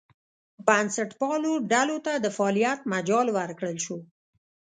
بنسټپالو ډلو ته د فعالیت مجال ورکړل شو.